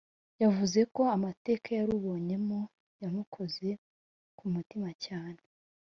yavuze ko amateka yarubonyemo yamukoze ku mutima cyane